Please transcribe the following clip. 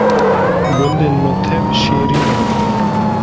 Gundên Me Tev Şêrîn in